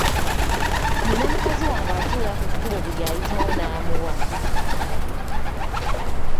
Nina mukazi wange atuula ku kkubo buli ayitiwo n’amuwa.